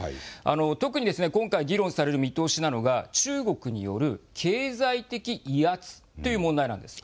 特に今回議論される見通しなのが中国による経済的威圧という問題なんです。